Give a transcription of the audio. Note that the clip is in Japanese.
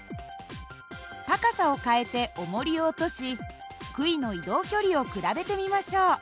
高さを変えておもりを落としくいの移動距離を比べてみましょう。